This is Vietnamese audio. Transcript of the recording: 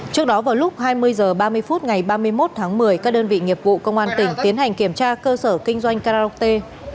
trước đó vào lúc hai mươi h ba mươi phút ngày ba mươi một tháng một mươi các đơn vị nghiệp vụ công an tỉnh tiến hành kiểm tra cơ sở kinh doanh karaoke